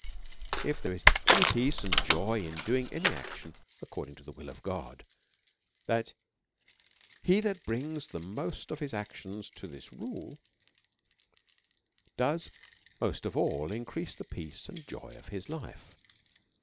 If there is any peace and joy in doing* any action according to the will of God, he that brings the most of his actions to this rule does most of all in crease the peace and joy of his life.